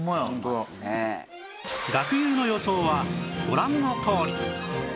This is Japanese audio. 学友の予想はご覧のとおり